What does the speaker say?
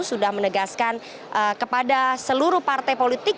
sudah menegaskan kepada seluruh partai politik